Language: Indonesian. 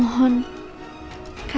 kasih roman kekuatan ya allah